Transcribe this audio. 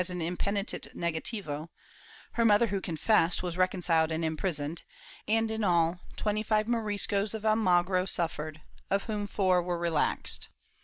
II] QBANADA 331 an impenitent negative; her mother, who confessed, was reconciled and imprisoned, and in all twenty five Moriscos of Almagro suffered, of whom four were relaxed.